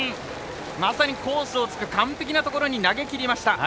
まさにコースを突く完璧な所に投げ切りました。